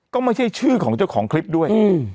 ก็ไม่ใช่ชื่อของเจ้าของคลิปด้วย